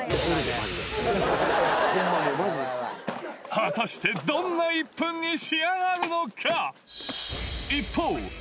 果たしてどんな１分に仕上がるのか？